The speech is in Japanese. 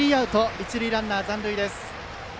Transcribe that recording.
一塁ランナーは残塁です。